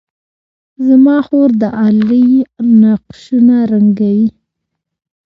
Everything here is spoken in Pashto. زما خور د غالۍ نقشونه رنګوي.